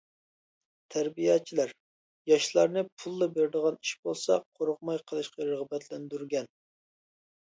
«تەربىيەچىلەر» ياشلارنى پۇللا بېرىدىغان ئىش بولسا، قورقماي قىلىشقا رىغبەتلەندۈرگەن.